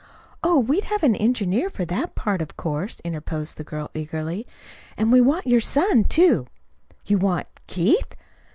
"Oh, we'd have an engineer for that part, of course," interposed the girl eagerly. "And we want your son, too." "You want Keith!